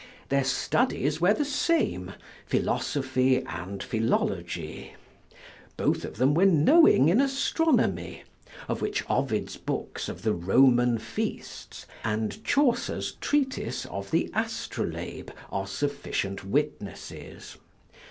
Their studies were the same, philosophy and philology. Both of them were knowing in astronomy, of which Ovid's books of the Roman feasts, and Chaucer's treatise of the Astrolabe, are sufficient witnesses.